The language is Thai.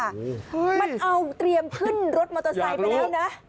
มันเอาเตรียมขึ้นรถมอเตอร์ไซค์ไปแล้วนะ